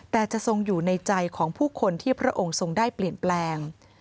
แต่จะทรงอยู่ในใจของผู้คนที่พระองค์ทรงได้เปลี่ยนแปลง